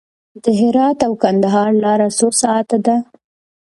د هرات او کندهار لاره څو ساعته ده؟